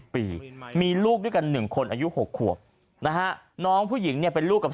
ปีมีลูกด้วยกัน๑คนอายุ๖ขวบนะฮะน้องผู้หญิงเนี่ยเป็นลูกกับ